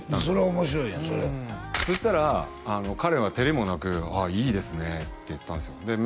それは面白いやんそれそしたら彼はテレもなくああいいですねって言ったんですよ